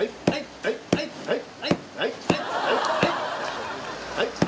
はいはい。